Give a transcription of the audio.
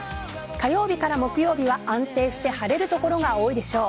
火曜日から木曜日は安定して晴れる所が多いでしょう。